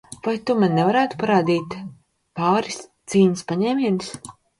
Vai tu man nevarētu parādīt pāris cīņas paņēmienus?